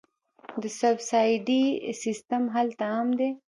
د سبسایډي سیستم هلته عام دی.